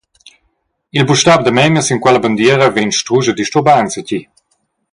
Il bustab damemia sin quella bandiera vegn strusch a disturbar enzatgi.